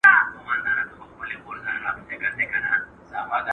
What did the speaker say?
تاسو به د دې کتاب ارزښت درک کړئ.